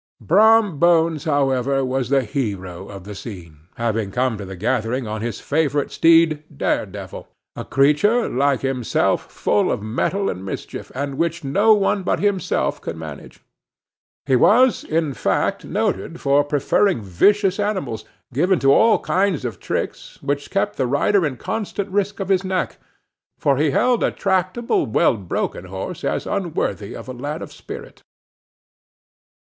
Brom Bones, however, was the hero of the scene, having come to the gathering on his favorite steed Daredevil, a creature, like himself, full of mettle and mischief, and which no one but himself could manage. He was, in fact, noted for preferring vicious animals, given to all kinds of tricks which kept the rider in constant risk of his neck, for he held a tractable, well broken horse as unworthy of a lad of spirit.